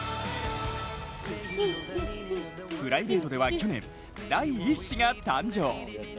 プライベートでは去年、第１子が誕生。